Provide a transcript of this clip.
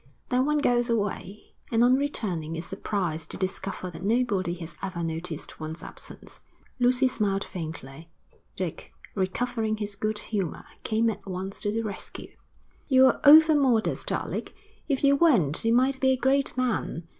Then one goes away, and on returning is surprised to discover that nobody has ever noticed one's absence.' Lucy smiled faintly. Dick, recovering his good humour, came at once to the rescue. 'You're overmodest, Alec. If you weren't, you might be a great man.